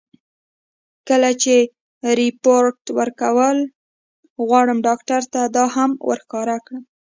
کله چې رېپورټ ورکوم، غواړم ډاکټر ته دا هم ور ښکاره کړم.